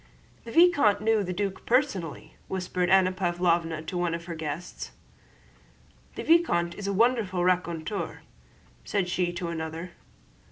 "The vicomte knew the duc personally," whispered Anna Pávlovna to one of the guests. "The vicomte is a wonderful raconteur," said she to another.